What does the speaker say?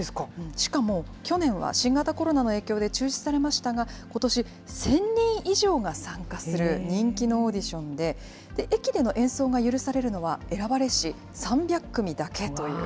しかも、去年は新型コロナの影響で中止されましたが、ことし、１０００人以上が参加する人気のオーディションで、駅での演奏が許されるのは、選ばれし３００組だけという。